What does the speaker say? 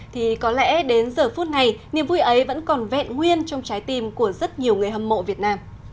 thì có lẽ đến giờ phút này niềm vui ấy vẫn còn vẹn nguyên trong trái tim của rất nhiều người hâm mộ việt nam